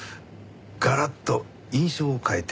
ガラッと印象を変えて。